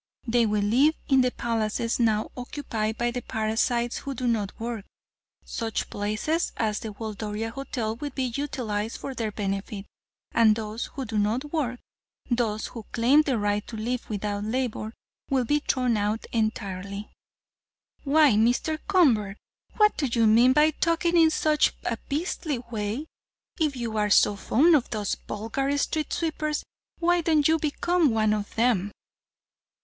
They will live in the palaces now occupied by the parasites who do no work. Such places as the Waldoria Hotel will be utilized for their benefit, and those who do not work, those who claim the right to live without labor, will be thrown out entirely." "Why, Mr. Convert, what do you mean by talking in such a beastly way? If you are so fond of those vulgar street sweepers, why don't you become one of them?"